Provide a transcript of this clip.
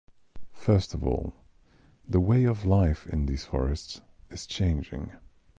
First of all, the way of life in these forests is changing.